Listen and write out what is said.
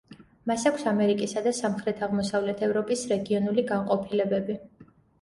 მას აქვს ამერიკისა და სამხრეთ–აღმოსავლეთ ევროპის რეგიონული განყოფილებები.